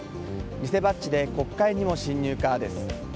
偽バッジで国会にも侵入かです。